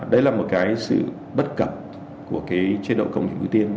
đấy là một cái sự bất cập của cái chế độ công nghiệp ưu tiên